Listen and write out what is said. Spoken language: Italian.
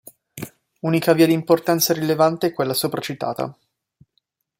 Unica via di importanza rilevante è quella sopracitata.